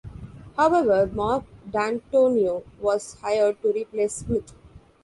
However, Mark Dantonio was hired to replace Smith.